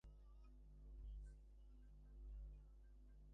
আপনি না করতে পারেন, কিন্তু আমি করি মশায়।